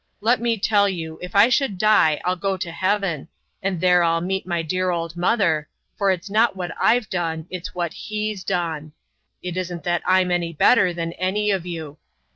Let me tell you, if I should die I'll go to heaven, and there I'll meet my dear old mother, for it's not what I've done, it's what He's done! It isn't that I'm any better than any of you.